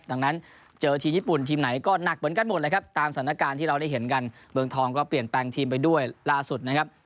ดังนั้นเจอทีมญี่ปุ่นทีมไหนก็หนักเหมือนกันหมดแล้วครับตามสถานการณ์ที่เราได้เห็นกันเมืองทองก็เปลี่ยนแปลงทีมไปด้วยล่าสุดนะครับ